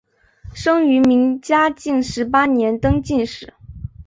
生于明嘉靖十八年登进士。